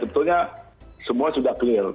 sebetulnya semua sudah clear